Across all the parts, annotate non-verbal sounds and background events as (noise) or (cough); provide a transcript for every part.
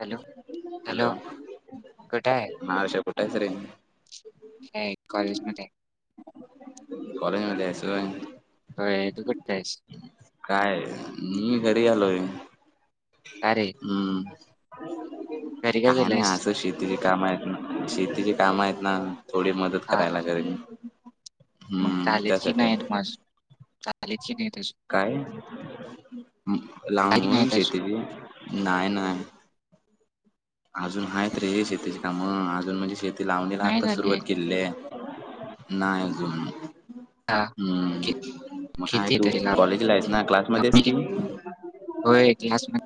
Hello hello हां आर्षा कुंठे आहेस रे कायं आहे कॉलेज मध्यें कॉलेज मध्यें आहेस होयं. कायं आहे तुझं कॅश कायं आहे मी घरी आलोय आहे कायं रे हम्मं घरी का कायं नाहीं गेलायस असं शीर शेतीचे कामं आहेतं नां शेतीचे कामं आहेतं नां थोडी मंदत हा हा करांयला घरी मग हम्मं झालेत की त्यांसाठी नाहीत चं माझ झालेत की नाहीत अजून कायं झाले की लाबूंनचं नाहीत अजून शेती नाहीं -नाहीं अजूंन आहेतं रे शेतीची कामं अजूंन म्हणजे शेतं ती लावणीला नाही आंता झाले सुरुवांत केलेली आहे नाहीं अजूंन हा हम्मं कि- मंग किती कायं आहे तू तरी लाव कॉलेजला आहेसं नां क्लासमध्यें लावणी आहेसं किती कि होय की आस नाय.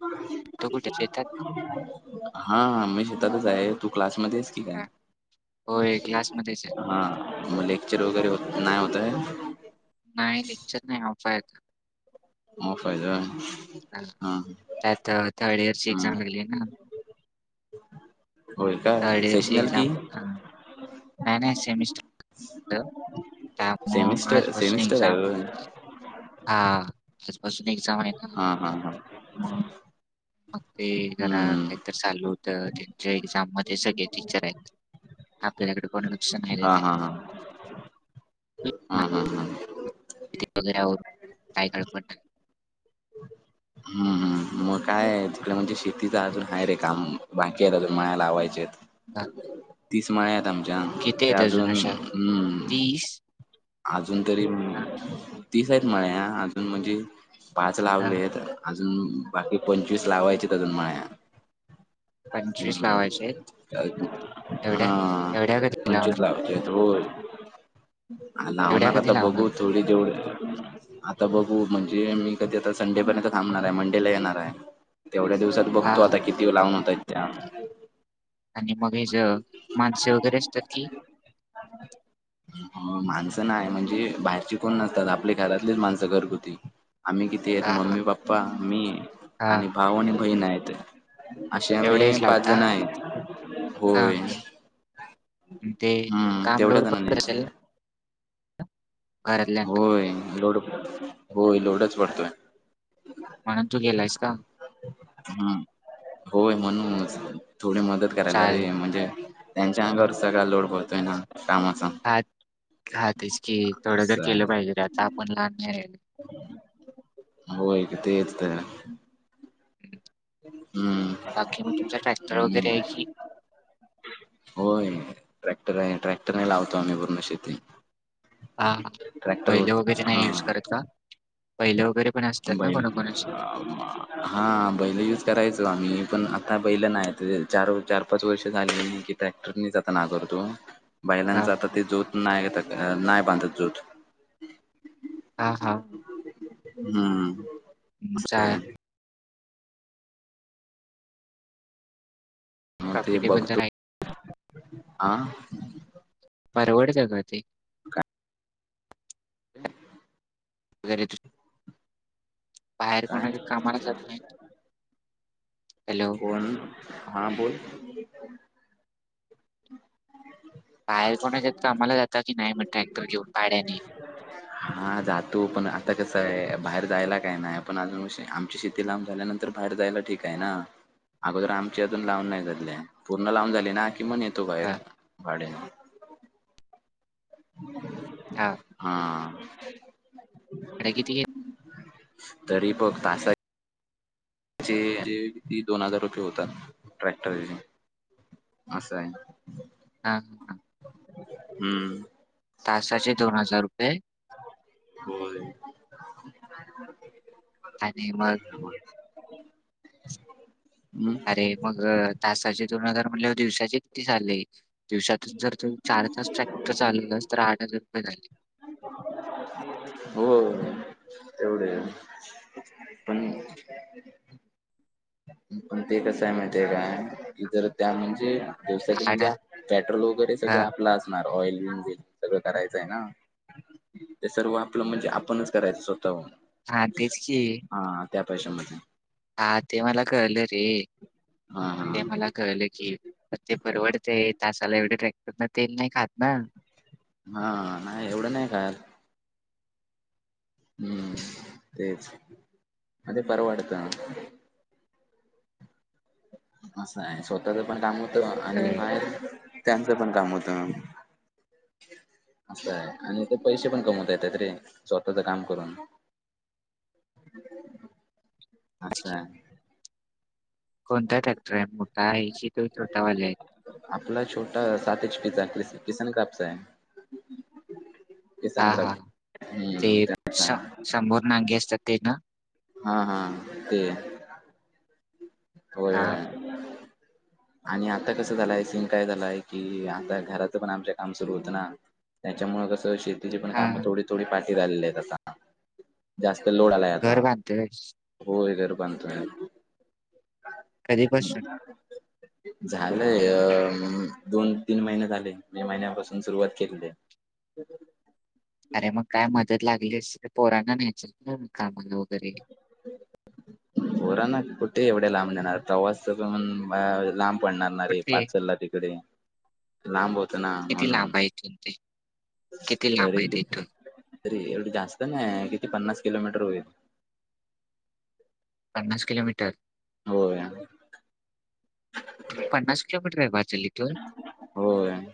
(unintelligible) हा मी शेतातच आहे तू क्लासमध्ये आहेस. ठीक आहे. हा. होय क्लासमध्येच आहे हा मग लेक्चर वगैरे नाही होतंय? नाही लेक्चर नाही ऑफ आहे आज. ऑफ हाय का? हा त्यात थर्ड इयरची हा एक्झाम लागली आहे ना? होय काय? थर्ड इयरची सेशनल एक्झाम की हा नाही- नाही. सेमिस्टर त् त्यामुळ आज सेमिस्टर पासन सेमिस्टर आहे एग्जाम. होय हा आजपासून एक्झाम आहे ना? हा हा हा मग ते -जरा हम्म के तर चालू होत त्यांच्या एक्झाम मध्ये सगळे टीचर आहेत. आपल्याकड कोण लक्ष नाहीे देताय. हम्म - हम्म - हम्म. (unintelligible) -वगैरे काय काळ पड हम्म मग काय? तिकडे म्हणजे शेतीचं अजून आहे रे काम. बाकी आहे अजून माळ लावायचे आहेत. काक - - तीस माळायत आमच्या ते अजून अशा हम् तीस (inaudible) अजून तरी हा. तीस आहेत माळा. अजून म्हणजे पाच हा लावले आहेत. अजून बाकी पंचवीस लावायचेत अजून माळ्या. पंचवीस हम्. लावायचे आहेत एवढ्या हम् एवढ्या कधी पंचवीस लावणार लावायच्या आहेत होय. एवढ्या लावणार आता कधी बघू लावणार थोडी जेवढी आता बघू म्हणजे मी कधी आता संडेपर्यंत थांबणार आहे मंडेला येणार आहे. तेवढ्या दिवसात हा बघतो आता किती लावून होतायत त्या. आणि मग हेज्या माणसं वगैरे असतात की. हम्म माणसं नाही म्हणजे बाहेरची कोण नसतात. आपली घरातलीच माणसं घरगुती. आम्ही किती आहेत. हा हा मम्मी - पप्पा, मी हा आणि भाऊ आणि बहीण आहेत. अशे आम्ही एवढेच पाच लावता जण आहेत हा होय. ते हम्म काम तेवढ्या लोड जणांनी पडत असेल आहेत ना? घरातल्यांना होय लोड - होय लोडच पडतोय. म्हणून तू गेलायस का? हम्. होय म्हणून थोडी मदत करायला चालेल रे. म्हणजे त्यांच्या अंगावरच सगळा लोड पडतोय ना कामचा. हा- हा तेच- कि थोडं जर असं केलं आहे. पाहिजे तर आता आपण लहानाय (unintelligible) होय तेच तर (inaudible) बाकी मग तुमचा हम्म. ट्रॅक्टर वगैरे आहे की हम्. होय. ट्रॅक्टर आहे. ट्रॅक्टर ने लावतो आम्ही पूर्ण शेती. हा ट्रॅक्टर बैले वगैरे हा नाही युज करत का? बैल वगैरे पण असतात ना बैल कोणा-कोणाची. हा बैल युज करायचो आम्ही पण आता बैल नाही ते चार -चार -पाच वर्ष झाली (unintelligible) ट्रॅक्टर निच आता नांगरतो (inaudible) हा बैलांच आता ते ज्योत नाही, नाही बांधत ज्योत हा हा. हम्म. तुमचा असं आहे मग ते प्रॉफिटेबल तर बघतो आहे आ.. परवडतय का ते? काय? ह (unintelligible) वगरे (unintelligible) बाहेर काय कोणाकडे कामाला जात नाहीत. कोण? हा बोल. बाहेर कोणाच्यात कामाला जाता की नाही मग ट्रॅक्टर घेऊन भाड्याने? हा जातो पण आता कसं आहे बाहेर जायला काही नाही पण अजून आमची शेती ते लांब झाल्यानंतर बाहेर जायला ठीक आहे ना. अगोदर आमची अजून लावून नाही झालेली पूर्ण लावून झाली ना मग नेतो हा बाहेर भाड्याने. हा. हा भाडं किती घेत तरी बघ आसा जे ते दोन हजार रुपये होतात ट्रॅक्टरचे असन आहे. हा हा हां. (inaudible) हम्म. तासाचे दोन हजार रुपये? होय. आणि मग ह (inaudible) अरे मग तासाचे दोन हजार म्हटले की दिवसाचे किती झाले? दिवसा तुन जर तु चार तास ट्रॅक्टर चालवलास तर आठ हजार रुपये झाले. हो तेवढे पण पण ते कसं आहे माहितीय काय इतर त्या म्हणजे दिवसाचे आठ म्हणजे हजार पेट्रोल वगैरे सगळं हा आपलं असणार ऑइल बिल सगळं करायचं आहे ना. ते सर्व आपलं म्हणजे आपणच करायचं स्वतःहून हा, तेच की हा त्या पैशामध्ये. हा ते मला कळलं रे हा हा ते मला कळलं की ते परवडतय तासाला एवढे ट्रॅक्टरला तेल नाही खातना? हा नाही एवढं नाही खात. हम्म तेच आणि परवडत. असं आहे स्वतःच पण काम होतं आणि अरे, बाहेर त्याचं पण काम होत. असं आहे आणि ते पैसे पण कमवता येतातरे स्वतःच काम करून. असा अ कोणता ट्रॅक्टर आहे मोठा आहे की तो छोटावाला आहे? आपला छोटा सात इंचपी किस, किसन कापसे हे. हा हा क्राफ्ट ते हम्म त्याचा समोर नांगे असतात ते ना? हा, हा ते होय, हा होय. आणि आता कसं झालंय? सीन काय झालाय? की आता घराच पण आमच्या काम सुरू होत ना? त्याच्यामुळे कसं? शि - -तिची पण हा कामं थोडी थोडी पाठी झालेले आहेत आता. जास्त लोड आलाय आता. घर बांधतोय होय. घर बांधतोय. हं. कधीपासून झालंय. अ- दोन तीन महिने झाले. मे महिन्यापासून सुरुवात केेलेली ए. ह अरे मग काय मदत लागली असेल पोराना न्यायचं ना कामाला वगैरे. पोरांना कुठे एवढे लांब नेणार? प्रवास अजून लांब- पडणार रे कुठे पाचलला तिकडे लांब होत ना म्हणून. (unintelligible) किती लांब तरी आहे कि. ते इथून? तरी एवढी जास्त नाही किती पन्नास किलोमीटर होईल. पन्नास किलोमीटर? होय. पन्नास किलोमीटर आहे पाचल इथून? होय.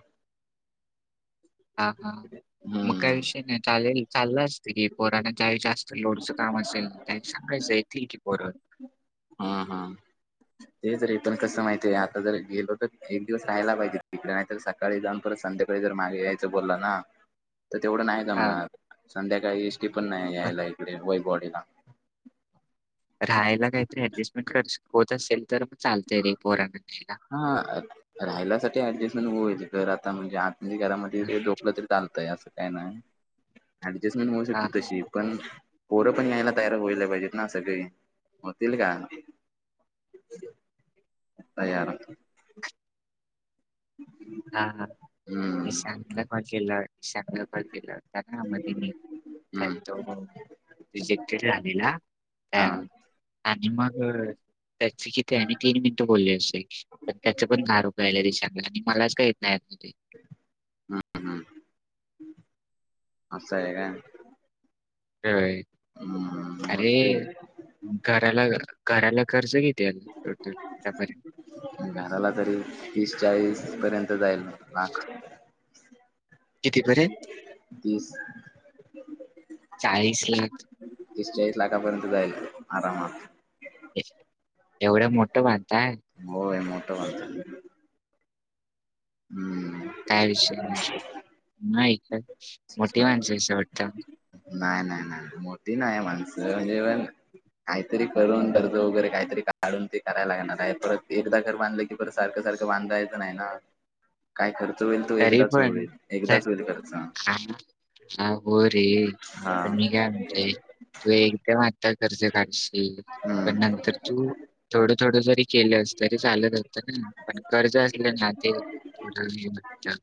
हां. हां. मग काही हम्म विषय नाही. चालेल. चालल अस - पोरांना ज्यावेळी जास्त लोडचं काम असेल, त्यावेळी सांगायचं. येतील की पोर. हां. हां. तेच रे. पण कसं माहितय का? आता जर गेलो तर एक दिवस राहायला पाहिजे तिकडे. नाही तर स- सकाळी जाऊन परत संध्याकाळी जर मागे यायचं बोलला ना? तर तेवढं नाही- हां, जमणार. संध्याकाळी एस टी पण नाही यायला इकडे. वैभववाडीला. राहायला काहीतरी ऍडजस्टमेंट कर होत असेल तर मग चालतय रे पोरांना रहायला. हां. राहिल्यासाठी ऍडजस्टमेंट होईल तिथं आता म्हणजे आता आपली घरामध्ये हां, (unintelligible) असं काय नाही. ऍडजस्टमेंट होऊ हां, शकते तशी. पण पोरं पण यायला तयार व्हायला पाहिजेत ना सगळे. होतील का? तयार. हां. हां. (unintelligible) हम्म ईशानला कॉल केला होता ना मधे मी. काय हम्म तो - रिजेक्टेड झालेला. हा हम्म आणि मग त्याची कि- त्यानी तीन मिनिटं बोलले असही. पण त्याच पण दहा रुपये आलेले. आणि मलाच का येत नाहीत अजून ते. हं. हं. असंय का? (unintelligible) हम्. मग अरे ते- घराला, घराला कर्ज कितीे आहे? टोटल आत्तापर्यंत? घराला तरी तीस चाळीस पर्यंत जाईल. लाख- कितीतरीे? तीस. चाळीस लाख. तीस चाळीस लाखापर्यंत जाईल आरामात. एवढं मोठं बांधताय? होय. मोठं बांधतोय. काय विषय नाही सोड. नाही काय मोठी माणसंयसा वाटत? नाही. नाही. नाही. मोठी नाही माणसं. काहीतरी करून कर्ज वगैरे काहीतरी काढून ते करायला लागणार आहे. परत एकदा घर बांधलं की- बरं सारखं सारखं बांधायचं नाही ना? काय खर्च होईल तो तरी एकदाच पण होईल. एकदाच होईल खर्च. हा हो रे. हा पण म्हणते तू एकदम आता कर्ज काढशील. हम्म पण नंतर तू थोडं थोडं जरी केलस तरी चालत होतं ना. पण कर्ज असलं ना ते (unintelligible)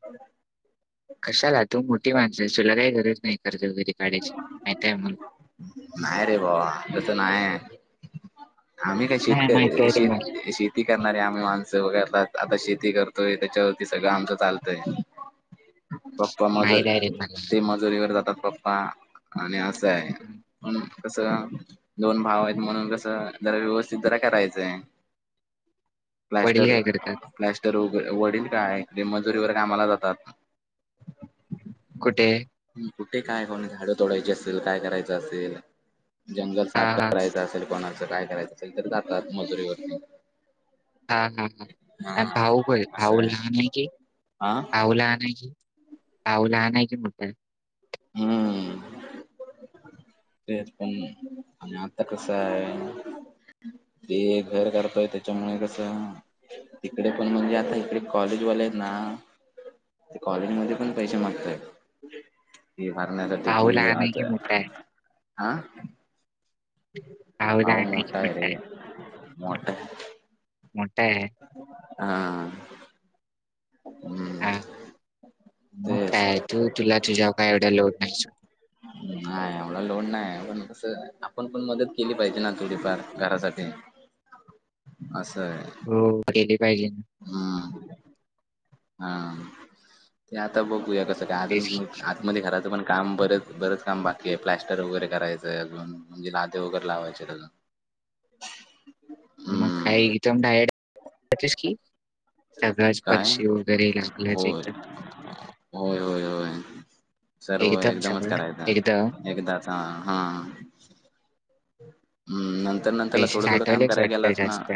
कशाला तू मोठी माणसयस. तुला काही गरज नाही कर्ज वगैरे. (unintelligible) नाय रे भावा. तसं नाये. आम्ही काय नाही माहिती शेतकरीरे आहे रे शेत मला शेत शेती करणारे आम्ही माणसं करतात. आता शेती करतोय त्याच्यावरती सगळं आमचं चालतंय. पप्पा माझ माहिती आहे रे मला ते म मजोरीवर जातात पप्पा. आणि असंय. हं. कसं दोन भावयेत म्हणून कसं. जरा व्यवस्थित जरा करायचंय. वडील प्लास्टर काय करतात प्लॅस्टर वगै, वडील काय ते मजुरीवर कामाला जातात. कुठे? कुठे काय कोनाची झाडं तोडायची असेल, काय करायचं असेल. जंगल हा साफ हा करायचं असेल, कोणाचं काय करायचं असेल. तर जातात मजुरी वरती. हा हा हा. आणि भाऊ प भाऊ लहान आहे की? हा भाऊ लहाने की, भाऊ लहाने की मोठाय? हम्म. तेच त म. आणि आता कसाय? ते घर करतोय त्याच्यामुळे कसं? तिकडे पण म्हणजे, आता इकडे कॉलेजवालेयेत ना. ते कॉलेज मध्ये पण पैसे मागताय. फी भरण्यासाठी भाऊ कि. लहान आहे की आता मोठा आहे आ. भाऊ लहान आहे की मोठाय रे मोठा आहे मोठाय. मोठाये. हा. हम्म. हा. मग तेच काय तू तुला तुझ्यावर काय एवढा लोड नाही. हम्म. नाय एवढा लोड नाय. पण कसं आपण पण मदत केली पाहिजे ना. थोडीफार घरासाठी. असंय. हो केली पाहिजे ना. हा हा. ते आता बघूया कसं काय, तेच अजून की. आतमध्ये घराचं पण काम बरेच बरेच काम बाकीय. प्लॅस्टर वगैरे करायचंय अजून. म्हणजे लादे वगैरे लावायचे. (inaudible) मग हम्म काय (unintelligible) इथ डायस की. सगळच काय फरशी वगैरे लागलंच होय एकदम. होय होय होय. सर्व एकदम एकदमच सगळं करायचं. एकदम एकदाच. हा हा. हम्म, नंतर नंतरला पैसे थोडं थोडं काम साठवलेच करायला वाटतं गेलंत ना? जास्त.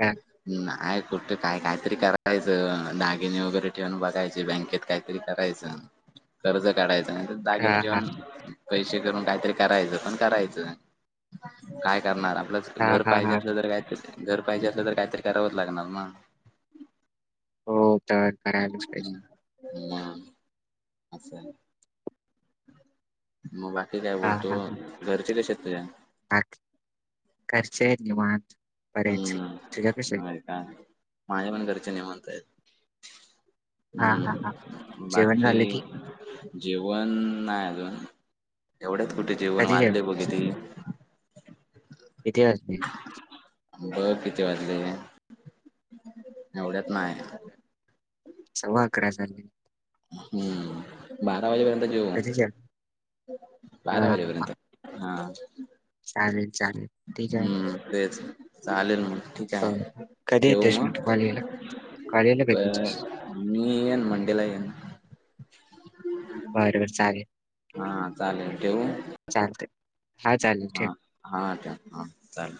हां, ना. आहे कुठं काय? कायतरी करायचं, दागिने वगैरे ठेवून बघायचे, बँकेत काहीतरी करायचं. कर्ज काढायचं नाही तर दागिने ठेवून. हां, पैशे करून, काहीतरी करायचं, पण करायचं, काय करणार आपलं हां, घर हां, पाहिजे हां. असलं, तर काहीतर, घर पाहिजे असलं तर काहीतरी करावंच लागणार ना. हो तर (unintelligible) करायलास पाहिजे (unintelligible) (unintelligible) ना असं (unintelligible) म बाकी काय हां, बोलतो? हां, हां. घरचे कशे येत तुझ्या? (unintelligible) घरचे निवांत, बडेच, तुझे कशे? (unintelligible) माझ्या पण घरचे निवांत येत. हां, हां, हां. हम्म, जेवण बाकी? झालं की? जेवण नाय अजून, एवढ्यात कुठे जेवण, कधी वाजले बघ जेवणार? कीती. किती वाजतील? बघ किती वाजले, एवढ्यात नाय. सव्वा आकरा झाले. हम्म, बारा वाजेपर्यंत जेऊ, कधी जेवणार? बारा हां. वाजेपर्यंत. हा, चालेल चालेल ते जॉईन हम्म तेच, चालेल मग, ठीक. च, आहे कधी ठेवू येतेस म मग तू कॉलेजला? कॉलेजला अ, कधी येतेस? मी येन मंडेला येईन. ह्. बर ब चालेल. हां, चालेल, ठेवू? चालतंय. हा चालेल हां, ठेव. हां ठेव, हा चालेल.